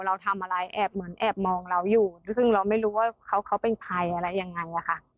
เราทำอะไรแอบเหมือนแอบมองเราอยู่ซึ่งเราไม่รู้ว่าเขาเป็นใครอะไรยังไงอะค่ะ